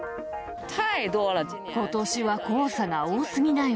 ことしは黄砂が多すぎだよ。